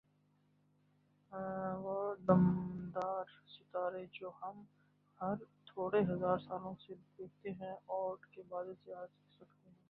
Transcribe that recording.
وہ دُمدار ستارے جو ہم ہر تھوڑے ہزار سالوں میں دیکھتے ہیں "اوٗرٹ کے بادل" سے آتے ہیں۔